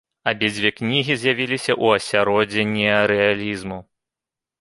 Абедзве кнігі з'явіліся ў асяроддзі неарэалізму.